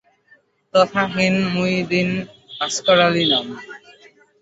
তথা হীন মুই দীন আস্কর আলী নাম